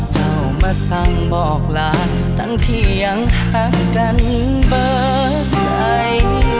เจ้ามาสั่งบอกหลานตั้งเที่ยงห่างกันเบอร์ใจ